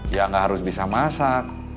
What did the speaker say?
ya nggak harus bisa masak